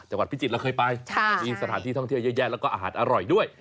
พิจิตรเราเคยไปมีสถานที่ท่องเที่ยวเยอะแยะแล้วก็อาหารอร่อยด้วย